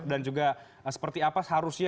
dan juga seperti apa harusnya